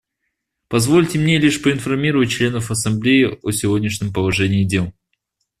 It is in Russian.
Позвольте мне лишь проинформировать членов Ассамблеи о сегодняшнем положении дел.